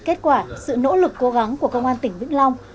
kết quả sự nỗ lực cố gắng của công an tỉnh vĩnh long